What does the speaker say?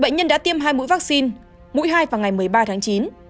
bệnh nhân đã tiêm hai mũi vaccine mũi hai vào ngày một mươi ba tháng chín